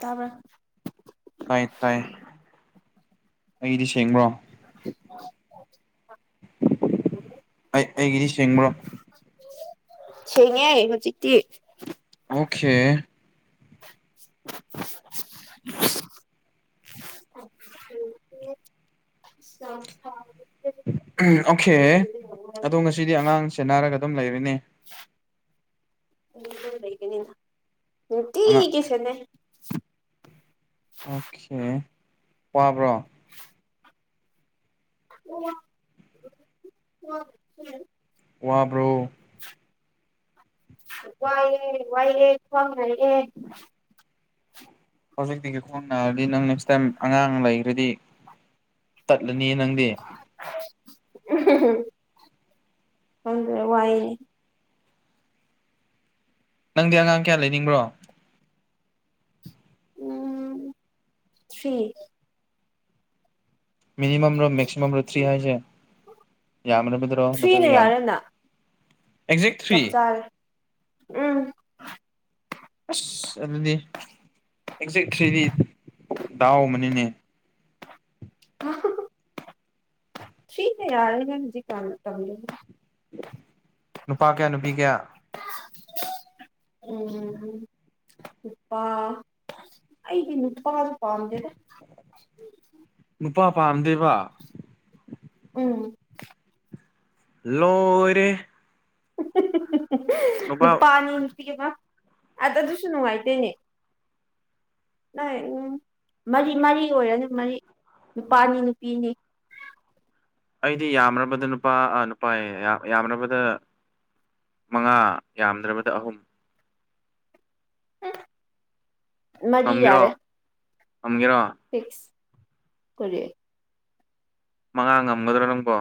ꯇꯥꯕ꯭ꯔꯥ ꯇꯥꯏ ꯇꯥꯏ ꯑꯩꯒꯤꯗꯤ ꯁꯦꯡꯕ꯭ꯔꯣ [inaudible] ꯑꯩ ꯑꯩꯒꯤꯗꯤ ꯁꯦꯡꯕ꯭ꯔꯣ ꯁꯦꯡꯉꯦ ꯍꯧꯖꯤꯛꯇꯤ ꯑꯣꯈꯦ [inaudible] [inaudible] ꯑꯧꯈꯦ ꯑꯗꯣ ꯉꯁꯤꯗꯤ ꯑꯉꯥꯡ ꯁꯦꯟꯅꯔꯒ ꯑꯗꯨꯝ ꯂꯩꯕꯅꯦ ꯂꯩꯒꯅꯤ ꯑꯉꯥꯡ ꯅꯨꯡꯇꯤꯒꯤ ꯁꯦꯟꯅꯩ ꯑꯣꯈꯦ ꯋꯥꯕ꯭ꯔꯣ [inaudible] ꯋꯥꯕ꯭ꯔꯣ ꯋꯥꯏꯌꯦ ꯋꯥꯏꯌꯦ ꯈ꯭ꯋꯥꯡ ꯅꯥꯏꯌꯦ ꯍꯧꯖꯤꯛꯇꯒꯤ ꯈꯣꯡ ꯅꯥꯔꯗꯤ ꯅꯪ ꯅꯦꯛꯁ ꯇꯥꯏꯝ ꯑꯉꯥꯡ ꯂꯩꯒ꯭ꯔꯗꯤ ꯇꯠꯂꯅꯤ ꯅꯪꯗꯤ [unintelligible] ꯈꯪꯗ꯭ꯔꯦ ꯋꯥꯏꯌꯦ ꯅꯪꯗꯤ ꯑꯉꯥꯡ ꯀꯌꯥ ꯂꯩꯅꯤꯡꯕ꯭ꯔꯣ ꯎꯝ ꯊ꯭ꯔꯤ ꯃꯤꯅꯤꯃꯝꯔꯣ ꯃꯦꯛꯁꯤꯃꯝꯔꯣ ꯊ꯭ꯔꯤ ꯍꯥꯏꯁꯦ ꯌꯥꯝꯔꯕꯗꯔꯣ ꯊ꯭ꯔꯤꯅ ꯅꯠꯇ꯭ꯔꯒ ꯌꯥꯝ ꯌꯥꯔꯦꯅ ꯑꯦꯛꯖꯦꯛ ꯊ꯭ꯔꯤ ꯆꯞ ꯆꯥꯔꯦ ꯎꯝ ꯑꯁ ꯑꯗꯨꯗꯤ ꯑꯦꯛꯖꯦꯛ ꯊ꯭ꯔꯤꯗꯤ ꯗꯥꯎ ꯑꯃꯅꯤꯅꯦ [unintelligible] ꯊ꯭ꯔꯤꯅ ꯌꯥꯔꯦꯗ ꯍꯧꯖꯤꯛꯀꯥꯟꯗꯤ ꯇꯜꯂꯦ ꯅꯨꯄꯥ ꯀꯌꯥ ꯅꯨꯄꯤ ꯀꯌꯥ [unintelligible] ꯎꯝ ꯅꯨꯄꯥ ꯑꯩꯒꯤ ꯅꯨꯄꯥ ꯄꯥꯝꯗꯦꯗ ꯅꯨꯄꯥ ꯄꯥꯝꯗꯦꯕ ꯎꯝ ꯂꯣꯏꯔꯦ ꯅꯨꯄꯥ ꯅꯨꯄꯥꯅꯤ ꯅꯨꯄꯤꯒꯤꯃ ꯑꯥꯗꯗꯨꯁꯨ ꯅꯨꯉꯥꯏꯇꯦꯅꯦ ꯅꯩ ꯎꯝ ꯃꯔꯤ ꯃꯔꯤ ꯑꯣꯏꯔꯅꯤ ꯃꯔꯤ ꯅꯨꯄꯥ ꯑꯅꯤ ꯅꯨꯄꯤꯅꯤ ꯑꯩꯗꯤ ꯌꯥꯝꯔꯕꯗ ꯅꯨꯄꯥ ꯑ ꯅꯨꯄꯥ ꯌꯦ ꯌꯥꯝ-ꯌꯥꯝꯅꯕꯗ ꯃꯉꯥ ꯌꯥꯝꯗ꯭ꯔꯕꯗ ꯑꯍꯨꯝ ꯃꯔꯤ ꯉꯝꯒꯦꯔꯣ ꯌꯥꯔꯦ ꯉꯝꯒꯦꯔꯣ ꯐꯤꯛꯁ ꯀꯨꯔꯤ ꯃꯉꯥ ꯉꯝꯒꯗ꯭ꯔꯣ ꯅꯪꯕꯣ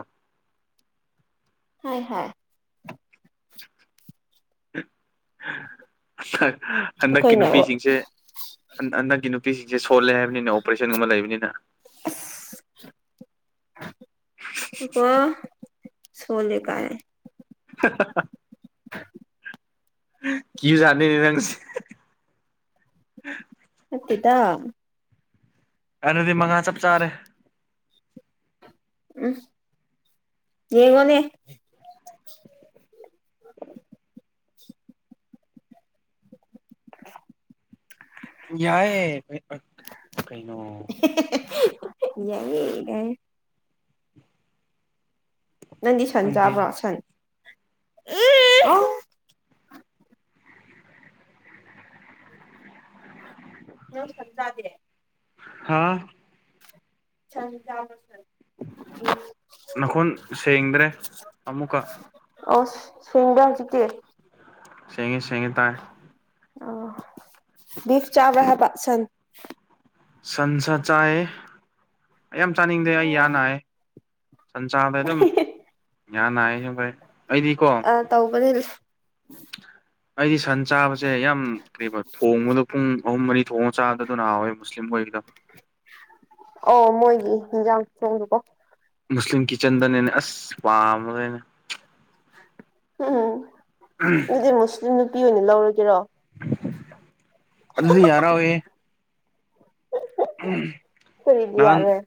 ꯍꯥꯏ ꯍꯥꯏ ꯍ ꯍꯟꯗꯛꯀꯤ ꯑꯩꯈꯣꯏꯅ ꯅꯨꯄꯤꯁꯤꯡꯁꯦ ꯍꯟ-ꯍꯟꯗꯛꯀꯤ ꯅꯨꯄꯤꯁꯤꯡꯖꯦ ꯁꯣꯜꯂꯦ ꯍꯥꯏꯕꯅꯤꯅ ꯑꯣꯄ꯭ꯔꯦꯁꯟꯒꯨꯝꯕ ꯂꯩꯕꯅꯤꯅ ꯑꯁ [unintelligible] ꯁꯣꯂꯦ ꯀꯥꯏ [unintelligible] ꯀꯤꯕꯖꯥꯠꯅꯤ ꯅꯪꯁꯤ ꯅꯠꯇꯦꯗ ꯑꯗꯨꯗꯤ ꯃꯉꯥ ꯆꯞ ꯆꯥꯔꯦ ꯎꯝ ꯌꯦꯡꯉꯣꯅꯦ [inaudible] ꯌꯥꯏꯌꯦ ꯑꯦ ꯑ ꯀꯩꯅꯣ ꯌꯥꯏꯌꯦ ꯒꯥꯏ ꯅꯪꯗꯤ ꯁꯟ ꯈꯪꯗꯦ ꯆꯥꯕ꯭ꯔꯥ ꯁꯟ [unintelligible] ꯅꯪ ꯁꯟ ꯆꯥꯗꯦ ꯍꯥꯥ ꯁꯟ ꯆꯥꯕ꯭ꯔꯥ ꯁꯟ ꯅꯈꯣꯟ ꯁꯦꯡꯗ꯭ꯔꯦ ꯑꯃꯨꯛꯀ ꯑꯣꯁ ꯁꯦꯡꯕ꯭ꯔꯥ ꯍꯨꯖꯤꯛꯇꯤ ꯁꯦꯡꯉꯦ ꯁꯦꯡꯉꯦ ꯇꯥꯏ ꯑ ꯕꯤꯐ ꯆꯥꯕ꯭ꯔ ꯍꯥꯏꯕ ꯁꯟ ꯁꯟꯁꯥ ꯆꯥꯏꯌꯦ ꯌꯥꯝ ꯆꯥꯅꯤꯡꯗꯦ ꯑꯩ ꯌꯥ ꯅꯥꯏ ꯁꯟ ꯆꯥꯕ ꯗꯨꯝ ꯌꯥ ꯅꯥꯏ ꯁꯦꯡꯕꯩ ꯑꯩꯗꯤꯀꯣ [unintelligible] ꯑꯩꯗꯤ ꯁꯟ ꯆꯥꯕꯁꯦ ꯌꯥꯝ ꯀ꯭ꯔꯤꯕ ꯊꯣꯡꯕꯗꯣ ꯄꯨꯡ ꯑꯍꯨꯝ ꯃꯔꯤ ꯊꯣꯡꯉ ꯆꯥꯕꯗꯣ ꯗꯨꯅ ꯍꯥꯎꯋꯦ ꯃꯨꯁꯂꯤꯝ ꯍꯣꯏꯒꯤꯗꯣ ꯑꯣ ꯃꯣꯏꯒꯤ ꯏꯟꯖꯥꯡ ꯊꯣꯡꯗꯨꯀꯣ ꯃꯨꯁꯂꯤꯝ ꯀꯤꯠꯆꯟꯗꯅꯦꯅꯦ ꯑꯁ ꯄꯥꯝꯕꯗꯣ ꯑꯩꯅ ꯎꯝ ꯑꯗꯨꯗꯤ ꯃꯨꯁꯂꯤꯝ ꯅꯨꯄꯤ ꯑꯣꯏꯅ ꯂꯧꯔꯒꯦꯔꯣ ꯑꯗꯨꯗꯤ ꯌꯥꯔꯣꯏꯌꯦ ꯑꯩꯈꯣꯏꯒꯤꯗꯤ ꯅꯍꯟ ꯌꯥꯔꯣꯏ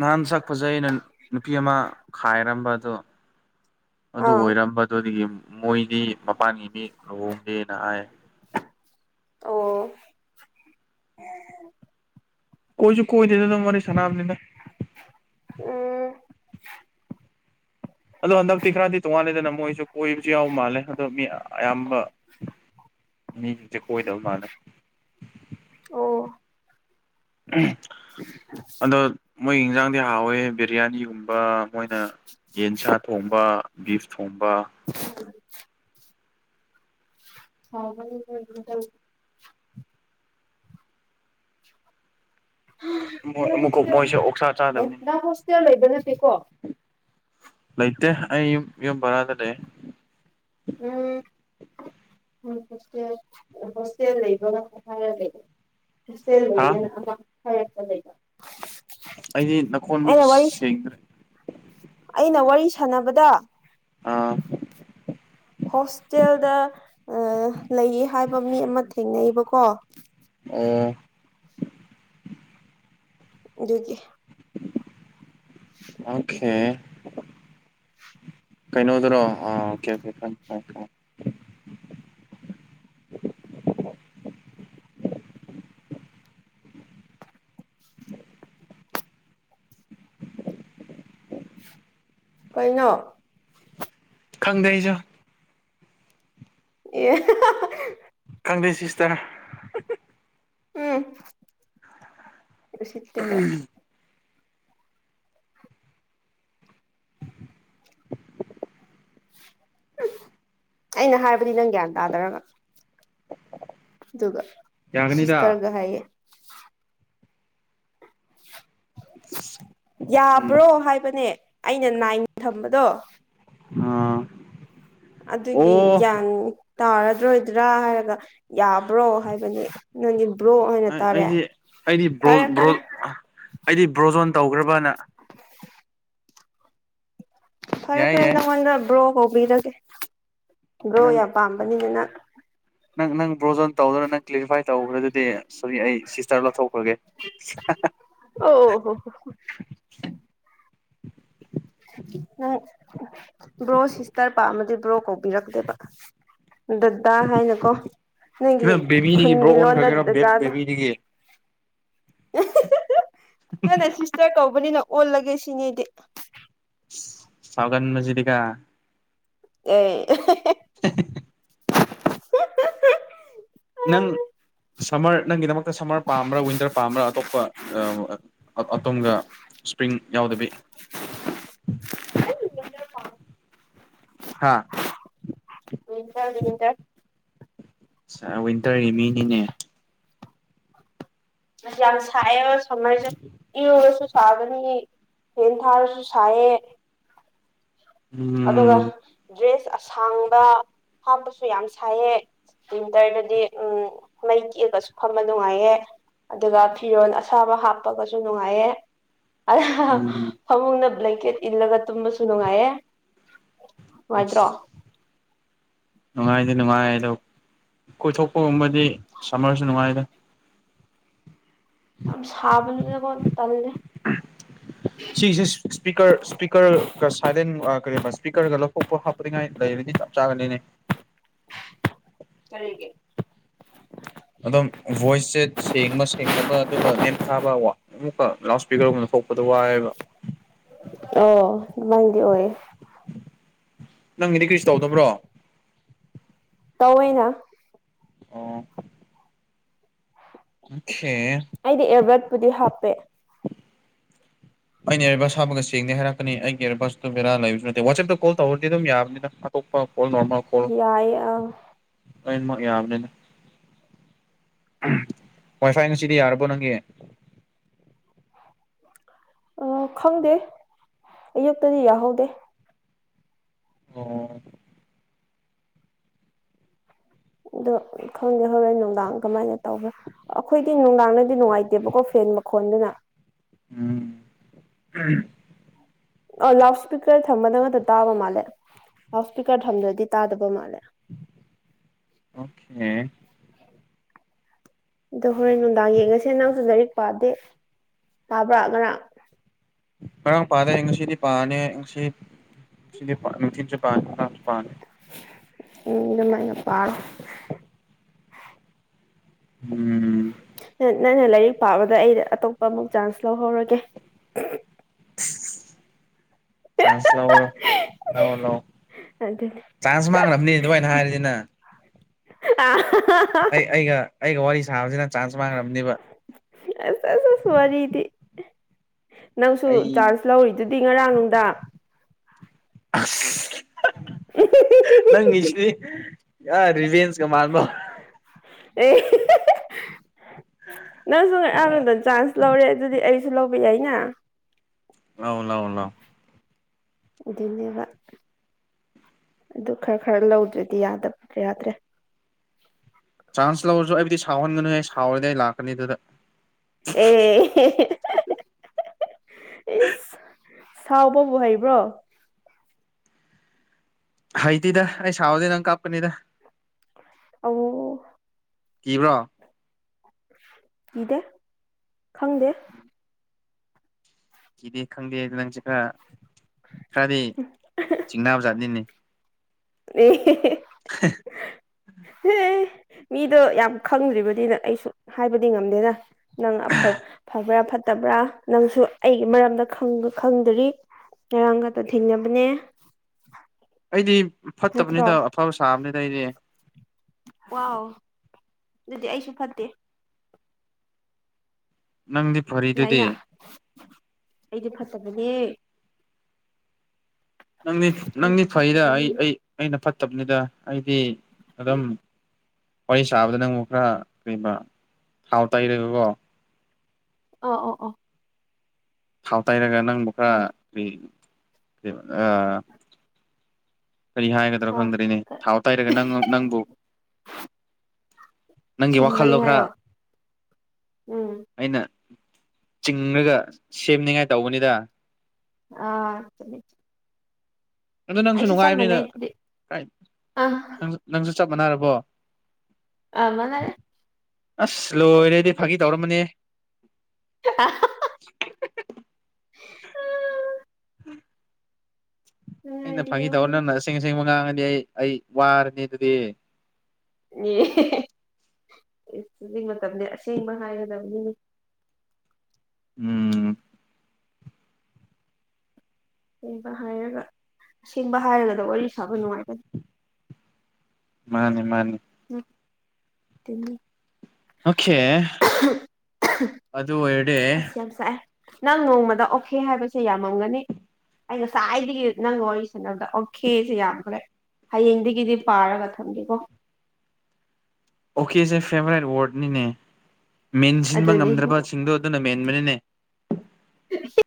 ꯅꯍꯥꯟ ꯁꯛ ꯐꯖꯩꯅ ꯅꯨꯄꯤ ꯑꯃ ꯈꯥꯏꯔꯝꯕ ꯑꯗꯣ ꯑꯗꯨ ꯑꯥ ꯑꯣꯏꯔꯝꯕ ꯑꯗꯨꯗꯒꯤ ꯃꯣꯏꯗꯤ ꯃꯄꯥꯟꯒꯤ ꯃꯤ ꯂꯨꯍꯣꯡꯗꯦꯅ ꯍꯥꯏ ꯑꯧꯋꯣ ꯀꯣꯏꯖꯨ ꯀꯣꯏꯗꯦꯗ ꯅꯪ ꯋꯥꯔꯤ ꯁꯥꯟꯅꯕꯅꯤꯗ ꯎꯝ ꯑꯗꯣ ꯍꯟꯗꯛꯇꯤ ꯈ꯭ꯔꯗꯤ ꯇꯣꯉꯥꯜꯂꯦꯗꯅ ꯃꯣꯏꯁꯨ ꯀꯣꯏꯕꯁꯨ ꯌꯥꯎ ꯃꯥꯜꯂꯦ ꯑꯗꯣ ꯃꯤ ꯑꯌꯥꯝꯕ ꯃꯤꯁꯤꯡꯁꯦ ꯀꯣꯏꯗꯕ ꯃꯥꯜꯂꯦ ꯑꯣ ꯑꯗꯣ ꯃꯣꯏ ꯌꯦꯟꯖꯥꯡꯗꯤ ꯍꯥꯎꯋꯦ ꯕꯤꯔꯌꯥꯅꯤꯒꯨꯝꯕ ꯃꯣꯏꯅ ꯌꯦꯟꯁꯥ ꯊꯣꯡꯕ ꯕꯤꯐ ꯊꯣꯡꯕ [unintelligible] ꯍ [unintelligible] ꯑꯃꯨꯛꯀ ꯍꯣꯁꯇꯦꯜꯗꯤ ꯃꯣꯏꯁꯦ ꯑꯣꯛꯁꯥ ꯑꯦ ꯆꯥꯗꯕꯅꯤ ꯅꯪ ꯍꯣꯁꯇꯦꯜ ꯂꯩꯕ ꯅꯠꯇꯦꯀꯣ ꯂꯩꯇꯦ ꯑꯩ ꯌꯨꯝ ꯌꯨꯝ ꯕꯔꯥꯗ ꯂꯩ ꯎꯝ [unintelligible] ꯍꯣꯁꯇꯦꯜ ꯂꯩꯕ ꯂꯩ ꯍꯥ ꯍꯣꯁꯇꯦꯜꯗ [unintelligible] ꯑꯩꯗꯤ ꯅꯀꯣꯟꯕꯨ ꯁꯦꯡꯗ꯭ꯔꯦ ꯑꯩꯅ ꯋꯥꯔꯤ ꯁꯥꯟꯅꯕꯗ ꯑꯥ ꯍꯣꯁꯇꯦꯜꯗ ꯂꯩꯌꯦ ꯍꯥꯏꯕ ꯃꯤ ꯑꯃ ꯊꯦꯡꯅꯩꯕꯀꯣ ꯑꯣ ꯑꯗꯨꯒꯤ ꯑꯣꯀꯦ ꯀꯩꯅꯣꯗꯨꯔꯣ ꯑꯥ ꯑꯣꯀꯦ ꯑꯣꯀꯦ ꯀꯩꯅꯣ ꯈꯪꯗꯦ ꯑꯩꯁꯨ ꯑꯦ ꯈꯪꯗꯦ ꯁꯤꯁꯇꯔ ꯎꯝ ꯎꯁꯤꯠꯇꯦꯕ ꯑꯩꯅ ꯍꯥꯏꯕꯗꯤ ꯅꯪ ꯒ꯭ꯌꯥꯟ ꯇꯥꯗꯔꯒ ꯑꯗꯨꯒ ꯌꯥꯒꯅꯤꯗ ꯁꯤꯁꯇꯔꯒ ꯍꯥꯏꯌꯦ ꯎꯝ ꯌꯥꯕ꯭ꯔꯣ ꯍꯥꯏꯕꯅꯦ ꯑꯩꯅ ꯅꯥꯏꯟ ꯊꯝꯕꯗꯣ ꯑꯣ ꯑꯗꯨꯒꯤ ꯒ꯭ꯌꯥꯟ ꯇꯥꯔꯔꯣꯏꯗ꯭ꯔꯥ ꯍꯥꯏꯔꯒ ꯌꯥꯕ꯭ꯔꯣ ꯍꯥꯏꯕꯅꯤ ꯅꯪꯗꯤ ꯕ꯭ꯔꯣ ꯍꯥꯏꯅ ꯇꯥꯔꯦ ꯑꯩꯗꯤ ꯑꯩꯗꯤ ꯐꯔꯦ ꯕ꯭ꯔꯣ ꯕ꯭ꯔꯣ ꯐꯔꯦ ꯑꯩꯗꯤ ꯕ꯭ꯔꯣꯖꯣꯟ ꯇꯧꯈ꯭ꯔꯕꯅ ꯐꯔꯦ ꯌꯥꯏ ꯐꯔꯦ ꯌꯥꯏ ꯅꯪꯉꯣꯟꯗ ꯕ꯭ꯔꯣ ꯀꯧꯕꯤꯔꯒꯦ ꯕ꯭ꯔꯣ ꯅꯪ ꯌꯥꯝ ꯄꯥꯝꯕꯅꯤꯅ ꯅꯪ ꯅꯪ ꯕ꯭ꯔꯣꯖꯣꯟ ꯇꯧꯗꯅ ꯅꯪ ꯀ꯭ꯂ꯭ꯦꯔꯤꯐꯥꯏ ꯇꯧꯈ꯭ꯔꯗꯨꯗꯤ ꯁꯣꯔꯤ ꯑꯩ ꯁꯤꯁꯇꯔ ꯂꯧꯊꯣꯛꯈ꯭ꯔꯒꯦ [unintelligible] ꯑꯣ ꯑꯣ ꯍꯣ ꯍꯣ ꯍ ꯎꯝ ꯕ꯭ꯔꯣ ꯁꯤꯁꯇꯔ ꯄꯥꯝꯃꯗꯤ ꯕ꯭ꯔꯣ ꯀꯧꯕꯤꯔꯛꯇꯨꯢꯕ ꯗꯗꯥ ꯍꯥꯏꯅꯀꯣ ꯅꯪꯒꯤ ꯀꯩꯅꯣ ꯕꯦꯕꯤꯗꯒꯤ ꯈꯨꯟꯒꯤ ꯕ꯭ꯔꯣ ꯂꯣꯟꯗ ꯑꯣꯟꯈ꯭ꯔꯒꯦꯔꯣ ꯗꯗꯥꯗꯣ ꯕꯦꯕꯤꯗꯒꯤ ꯅꯪꯅꯦ ꯁꯤꯁꯇꯔ ꯀꯧꯕꯅꯤꯅ ꯑꯣꯜꯂꯒꯦ ꯁꯤꯅꯦ ꯑꯩꯗꯤ ꯁꯥꯎꯒꯥꯟꯕꯁꯤꯗꯤꯒꯣ ꯑꯦ [unintelligible] ꯅꯪ ꯁꯝꯃꯔ ꯅꯪꯒꯤꯗꯃꯛꯇ ꯁꯝꯃꯔ ꯄꯥꯝꯕ꯭ꯔꯥ ꯋꯤꯟꯇꯔ ꯄꯥꯝꯕ꯭ꯔꯥ ꯑꯇꯣꯞꯄ ꯑꯇꯣꯝꯒ ꯁ꯭ꯄ꯭ꯔꯤꯡ ꯌꯥꯎꯗꯕꯤ ꯍꯥꯥ ꯋꯤꯟꯇꯔꯅꯤ ꯋꯤꯟꯇꯔ ꯑꯠꯆꯥ ꯋꯤꯟꯇꯔꯒꯤ ꯃꯤꯅꯤꯅꯦ ꯅꯠꯇꯦ ꯌꯥꯝ ꯁꯥꯏꯌꯦꯕ ꯁꯃꯔꯖꯦ [unintelligible] ꯁꯥꯒꯅꯤꯌꯦ ꯋꯤꯟꯊꯥꯔꯗꯁꯨ ꯁꯥꯏꯌꯦ ꯎꯝ ꯑꯗꯨꯒ ꯗ꯭ꯔꯦꯁ ꯑꯁꯥꯡꯕ ꯍꯥꯞꯄꯁꯨ ꯌꯥꯝ ꯁꯥꯏꯌꯦ ꯋꯤꯟꯇꯔꯗꯗꯤ ꯎꯝ ꯃꯩ ꯀꯦꯕꯁꯨ ꯐꯝꯕ ꯅꯨꯡꯉꯥꯏꯌꯦ ꯑꯗꯨꯒ ꯐꯤꯔꯣꯟ ꯑꯁꯥꯕ ꯍꯥꯞꯄꯒꯁꯨ ꯅꯨꯡꯉꯥꯏꯌꯦ ꯎꯝ ꯐꯃꯨꯡꯗ ꯕ꯭ꯂꯦꯡꯀꯦꯠ ꯏꯜꯂꯒ ꯇꯨꯝꯕꯁꯨ ꯅꯨꯡꯉꯥꯏꯌꯦ ꯅꯨꯡꯉꯥꯏꯇ꯭ꯔꯣ [unintelligible] ꯅꯨꯡꯉꯥꯏꯗꯤ ꯅꯨꯡꯉꯥꯏꯌꯦ ꯑꯗꯣ ꯀꯣꯏꯊꯣꯛꯄꯒꯨꯝꯕꯗꯤ ꯁꯝꯃꯔꯁꯨ ꯅꯨꯡꯉꯥꯏꯗ ꯌꯥꯝ ꯁꯥꯕꯗꯨꯗꯀꯣ ꯇꯜꯂꯦ ꯁꯤꯒꯤꯁꯦ ꯁ꯭ꯄꯤꯀꯔ ꯁ꯭ꯄꯤꯀꯔꯒ ꯁꯥꯏꯂꯦꯟ ꯑ ꯀꯔꯤꯕ ꯁ꯭ꯄꯤꯀꯔꯒ ꯂꯧꯊꯣꯛꯄ ꯍꯥꯞꯄꯅꯤꯉꯥꯏ ꯂꯩꯔꯗꯤ ꯆꯞ ꯆꯥꯒꯅꯤꯅꯦ ꯀꯔꯤꯒꯤ ꯑꯗꯨꯝ ꯚꯣꯏꯁꯁꯦ ꯁꯦꯡꯕ ꯁꯦꯡꯗꯕ ꯑꯗꯨꯒ ꯅꯦꯝꯊꯥꯕ ꯋꯥ ꯑꯃꯨꯛꯀ ꯂꯥꯎꯠ ꯁ꯭ꯄꯤꯀꯔꯒꯨꯝ ꯂꯧꯊꯣꯛꯄꯗ ꯋꯥꯏꯌꯦꯕ ꯑꯣ ꯑꯗꯨꯃꯥꯏꯅꯗꯤ ꯑꯣꯏꯌꯦ ꯅꯪꯒꯤꯗꯤ ꯀꯔꯤꯁꯨ ꯇꯧꯗꯕ꯭ꯔꯣ ꯇꯧꯋꯦꯅ ꯑꯣ ꯑꯣꯈꯦ ꯑꯩꯗꯤ ꯑꯦꯌꯔꯕ꯭ꯔꯦꯠ ꯄꯨꯗꯤ ꯍꯥꯞꯄꯦ [inaudible] ꯑꯩꯅ ꯏꯌꯔꯚꯁ ꯍꯥꯞꯕꯒ ꯁꯦꯡꯗꯦ ꯍꯥꯏꯔꯛꯀꯅꯤ ꯑꯩꯒꯤ ꯏꯌꯔꯚꯁꯇꯣ ꯕꯔꯥ ꯂꯩꯕꯁꯨ ꯅꯠꯇꯦ ꯋꯥꯆꯦꯞꯇ ꯀꯣꯜ ꯇꯧꯔꯗꯤ ꯑꯗꯨꯝ ꯌꯥꯕꯅꯤꯗ ꯇꯣꯞꯄ ꯀꯣꯜ ꯅꯣꯔꯃꯦꯜ ꯌꯥꯏꯌꯦ ꯑ ꯑꯅꯤꯃꯛ ꯌꯥꯕꯅꯤꯗ ꯋꯥꯏ ꯐꯥꯏ ꯉꯁꯤꯗꯤ ꯌꯥꯔꯕꯣ ꯅꯪꯒꯤ ꯑ ꯈꯪꯗꯦ ꯑꯌꯨꯛꯇꯗꯤ ꯌꯥꯍꯧꯗꯦ ꯑꯣ ꯑꯗꯨ ꯈꯪꯗꯦ ꯍꯣꯔꯦꯟ ꯅꯨꯡꯗꯥꯡ ꯀꯃꯥꯏꯅ ꯇꯧꯕ꯭ꯔꯥ ꯑꯈꯣꯏꯗꯤ ꯅꯨꯡꯗꯥꯡꯗꯗꯤ ꯅꯨꯡꯉꯥꯏꯇꯦꯕꯀꯣ ꯐꯦꯟ ꯃꯈꯣꯟꯗꯨꯅ ꯎꯝ ꯑꯣ ꯂꯥꯎꯠ ꯁ‍꯭ꯄꯤꯀꯔ ꯊꯝꯕꯗ ꯉꯛꯇ ꯇꯥꯕ ꯃꯥꯜꯂꯦ ꯂꯥꯎꯠ ꯁ꯭ꯄꯤꯀꯔ ꯊꯝꯗ꯭ꯔꯗꯤ ꯇꯥꯗꯕ ꯃꯥꯜꯂꯦ ꯑꯣꯈꯦ ꯑꯗꯣ ꯍꯣꯔꯦꯟ ꯅꯨꯡꯗꯥꯡ ꯌꯦꯡꯉꯁꯦ ꯅꯪꯁꯨ ꯂꯥꯏꯔꯤꯛ ꯄꯥꯗꯦ ꯄꯥꯕ꯭ꯔ ꯉꯔꯥꯡ ꯉꯔꯥꯡ ꯄꯥꯗꯦ ꯑꯩ ꯉꯁꯤꯗꯤ ꯄꯥꯔꯅꯤ ꯉꯁꯤ ꯉꯁꯤꯗꯤ ꯄꯥ ꯅꯨꯡꯊꯤꯟꯁꯨ ꯄꯥꯅꯤ ꯉꯥꯔꯥꯡꯁꯨ ꯄꯥꯅꯤ ꯎꯝ ꯑꯗꯨꯃꯥꯏꯅ ꯄꯥꯔꯣ ꯎꯝ ꯅꯪ ꯅꯪꯅ ꯂꯥꯏꯔꯤꯛ ꯄꯥꯕꯗ ꯑꯩ ꯑꯇꯣꯞꯄ ꯑꯃꯨꯛ ꯆꯥꯟꯁ ꯂꯧꯍꯧꯔꯒꯦ ꯆꯥꯟꯁ ꯂꯧꯔꯣ ꯂꯧꯔꯣ ꯂꯧ ꯑꯗꯨꯅꯦ ꯆꯥꯟꯁ ꯃꯥꯡꯂꯝꯅꯤ ꯑꯗꯨꯃꯥꯏꯅ ꯍꯥꯏꯔꯗꯤ ꯅꯪ [unintelligible] ꯑꯩ ꯑꯩꯒ ꯑꯩꯒ ꯋꯥꯔꯤ ꯁꯥꯕꯁꯤ ꯅꯪ ꯆꯥꯟꯁ ꯃꯥꯡꯅꯕꯅꯤꯕ ꯑꯁ ꯑꯁ ꯑꯁ ꯋꯥꯔꯤꯗꯤ ꯅꯪꯁꯨꯨ ꯑꯩ ꯆꯥꯟꯁ ꯂꯧꯔꯤꯗꯨꯗꯤ ꯉꯔꯥꯡ ꯅꯨꯡꯗꯥꯡ ꯑꯁ ꯅꯪꯒꯤꯁꯤꯗꯤ ꯑꯥ ꯔꯤꯚꯦꯟꯁꯀ ꯃꯥꯟꯕ ꯑꯦ ꯅꯪꯁꯨ [unintelligible] ꯆꯥꯟꯁ ꯂꯧꯔꯦ ꯑꯗꯨꯗꯤ ꯑꯩꯁꯨ ꯂꯧꯕ ꯌꯥꯏꯅ ꯂꯧ ꯂꯧ ꯂꯧ ꯑꯗꯨꯅꯦꯕ ꯑꯗꯨ ꯈꯔ ꯈꯔ ꯂꯧꯗ꯭ꯔꯗꯤ ꯌꯥꯗꯕ ꯌꯥꯗ꯭ꯔꯦ ꯆꯥꯟꯁ ꯂꯧꯔꯁꯨ ꯑꯩꯕꯨꯗꯤ ꯁꯥꯎꯍꯟꯒꯅꯨꯍꯦ ꯁꯥꯎꯔꯗꯤ ꯑꯩ ꯂꯥꯛꯀꯅꯤ ꯑꯗꯨꯗ ꯑꯦ ꯏꯁ ꯁꯥꯎꯕꯕꯨ ꯍꯩꯕ꯭ꯔꯣ ꯍꯩꯇꯦꯗ ꯑꯩ ꯁꯥꯎꯔꯗꯤ ꯅꯪ ꯀꯄꯀꯅꯤꯗ ꯑꯣ ꯀꯤꯕ꯭ꯔꯣ ꯀꯤꯗꯦ ꯈꯪꯗꯦ ꯀꯤꯗꯦ ꯈꯪꯗꯦ ꯑꯗꯨꯗ ꯅꯪꯁꯦ ꯈꯔ ꯈꯔꯗꯤ ꯆꯤꯡꯅꯕꯖꯥꯠꯅꯤꯅꯦ [unintelligible] ꯃꯤꯗꯣ ꯌꯥꯝ ꯈꯪꯗ꯭ꯔꯤꯕꯗꯤꯅ ꯑꯩꯁꯨ ꯍꯥꯏꯕꯗꯤ ꯉꯝꯗꯦꯅ ꯅꯪ ꯑꯐ ꯐꯕ꯭ꯔ ꯇꯕ꯭ꯔꯥ ꯅꯪꯁꯨ ꯑꯩꯒꯤ ꯃꯔꯝꯗ ꯈꯪ ꯈꯪꯗ꯭ꯔꯤ ꯉꯔꯥꯡꯒꯇ ꯊꯦꯡꯅꯕꯅꯦ ꯑꯩꯗꯤ ꯅꯠꯇ꯭ꯔꯣ ꯐꯠꯇꯕꯅꯤꯗ ꯑꯐꯕ ꯁꯥꯕꯅꯤꯗ ꯑꯩꯗꯤ ꯋꯥꯎ ꯑꯗꯨꯗꯤ ꯑꯩꯁꯨ ꯐꯠꯇꯦ ꯅꯪꯗꯤ ꯐꯔꯤ ꯌꯥꯥꯏꯅ ꯑꯩꯗꯤ ꯐꯠꯇꯕꯤꯅꯦ ꯅꯪꯗꯤ ꯅꯪꯗꯤ ꯑꯩꯁꯨ ꯐꯩꯗ ꯐꯠꯇꯕꯅꯦ ꯑꯩ ꯑꯩꯅ ꯐꯠꯇꯕꯅꯤꯗ ꯑꯩꯗꯤ ꯑꯗꯨꯝ ꯋꯥꯔꯤ ꯁꯥꯕꯗ ꯅꯪꯕꯨ ꯈꯔ ꯀꯕꯩ ꯊꯥꯎ ꯇꯩꯔꯒꯀꯣ ꯑꯣ ꯑꯣ ꯑꯣ ꯊꯥꯎ ꯇꯩꯔꯒ ꯅꯪꯕꯨ ꯌꯥꯝ ꯈꯔ ꯀꯔꯤ ꯍꯥꯏꯒꯗ꯭ꯔ ꯑꯥ ꯈꯪꯗꯦꯅꯦ ꯊꯥꯎ ꯇꯩꯔꯒ ꯅꯪ ꯅꯪꯕꯨ ꯅꯪꯒꯤ ꯁꯨꯝꯕꯅꯦ ꯋꯥꯈꯜꯗꯣ ꯈꯔ ꯍꯥꯏꯌꯣ ꯎꯝ ꯑꯩꯅ ꯆꯤꯡꯉꯒ ꯁꯦꯝꯅꯤꯡꯉꯥꯏ ꯇꯧꯕꯅꯤꯗ ꯑꯥ [unintelligible] ꯑꯗꯣ ꯅꯪꯁꯨ ꯑꯩꯁꯨ ꯆꯞ ꯅꯨꯡꯉꯥꯏꯕꯅꯤꯅ ꯃꯥꯟꯅꯩ ꯑꯗꯨꯗꯤ ꯑꯥ ꯅꯪꯁꯨ ꯆꯞ ꯃꯥꯟꯅꯔꯕꯣ ꯑꯥ ꯃꯥꯅꯔꯦ ꯑꯁ ꯂꯣꯏꯔꯦꯗꯤ ꯐꯥꯒꯤ ꯇꯧꯔꯝꯕꯅꯦ [unintelligible] [unintelligible] ꯑꯩꯅ ꯅꯨꯡꯉꯥꯏꯔꯤꯌꯦ ꯐꯥꯒꯤ ꯇꯧꯔ ꯅꯪꯅ ꯋꯥꯔꯤꯁꯨ ꯑꯁꯦꯡ ꯑꯁꯦꯡꯕ ꯉꯥꯡꯉꯗꯤ ꯑꯩ ꯑꯩ ꯋꯥꯔꯅꯤ ꯑꯗꯨꯗꯤ [unintelligible] ꯍꯧꯖꯤꯛ ꯃꯇꯝꯗꯤ ꯑꯁꯦꯡꯕ ꯍꯥꯏꯒꯗꯕꯅꯤꯅꯦ ꯎꯝ ꯑꯁꯦꯡꯕ ꯍꯥꯏꯔꯒ ꯑꯁꯦꯡꯕ ꯍꯥꯏꯔꯒꯅ ꯋꯥꯔꯤ ꯁꯥꯕ ꯅꯨꯡꯉꯥꯏꯕꯅꯤ ꯃꯥꯅꯦ ꯃꯥꯅꯤ [unintelligible] ꯑꯣꯀꯦ ꯑꯗꯨ ꯑꯣꯏꯔꯗꯤ ꯑꯁ ꯌꯥꯝ ꯁꯥꯢꯑꯦ ꯅꯪ ꯅꯣꯡꯃꯗ ꯑꯣꯈꯦ ꯍꯥꯏꯕꯁꯦ ꯌꯥꯝꯃꯝꯒꯅꯤ ꯑꯩ ꯉꯁꯥꯏꯗꯒꯤ ꯅꯪꯒ ꯋꯥꯔꯤ ꯁꯅꯕꯗ ꯑꯣꯀ ꯁꯤꯦ ꯌꯥꯝꯈ꯭ꯔꯦ ꯍꯌꯦꯡꯗꯒꯤꯗꯤ ꯄꯥꯔꯒ ꯊꯝꯒꯦꯀꯣ ꯑꯣꯀꯦꯁꯦ ꯐꯦꯕꯣꯔꯥꯏꯠ ꯋꯥꯔꯗꯅꯤꯅꯦ ꯃꯦꯟꯁꯤꯟꯕ ꯑꯗꯨꯅꯤ ꯉꯝꯗ꯭ꯔꯕꯁꯤꯡꯗꯣ ꯑꯗꯨꯅ ꯃꯦꯟꯕꯅꯤꯅꯦ [inaudible]